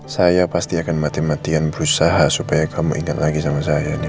saya pasti akan mati matian berusaha supaya kamu ingat lagi sama saya nih